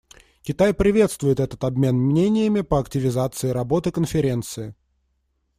Китай приветствует этот обмен мнениями по активизации работы Конференции.